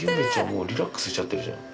もうリラックスしちゃってるじゃん。